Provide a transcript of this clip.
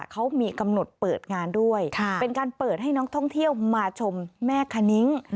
เขามีกำหนดเปิดงานด้วยเป็นการเปิดให้นักท่องเที่ยวมาชมแม่คณิ้ง